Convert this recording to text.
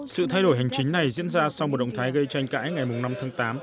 sự thay đổi hành chính này diễn ra sau một động thái gây tranh cãi ngày năm tháng tám